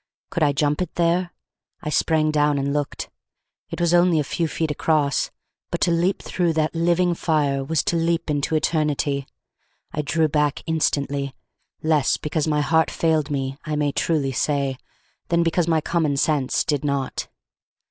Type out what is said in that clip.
Could I jump it there? I sprang down and looked. It was only a few feet across; but to leap through that living fire was to leap into eternity. I drew back instantly, less because my heart failed me, I may truly say, than because my common sense did not.